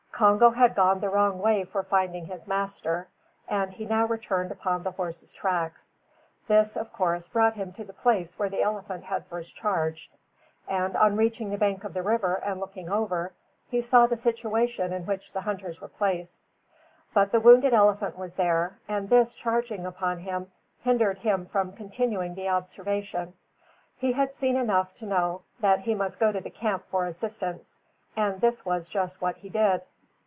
Congo had gone the wrong way for finding his master, and he now returned upon the horse's tracks. This, of course, brought him to the place where the elephant had first charged; and, on reaching the bank of the river and looking over, he saw the situation in which the hunters were placed. But the wounded elephant was there, and this, charging upon him, hindered him from continuing the observation. He had seen enough to knew that he must go to the camp for assistance, and this was just what he did.